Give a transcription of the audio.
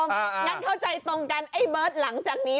งั้นเข้าใจตรงกันไอ้เบิร์ตหลังจากนี้